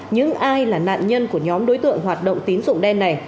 những ai là nạn nhân của nhóm đối tượng hoạt động tín dụng đen này